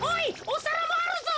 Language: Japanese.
おさらもあるぞ。